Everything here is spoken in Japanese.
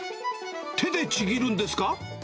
手でちぎるんですか？